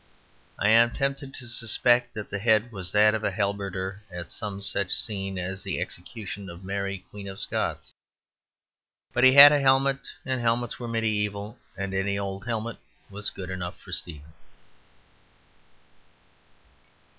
I am tempted to suspect that the head was that of a halberdier at some such scene as the execution of Mary Queen of Scots. But he had a helmet; and helmets were mediæval; and any old helmet was good enough for Stephen.